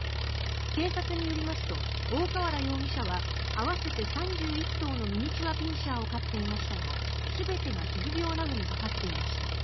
警察によりますと大河原容疑者は合わせて３１頭のミニチュア・ピンシャーを飼っていましたが全てが皮膚病などにかかっていました。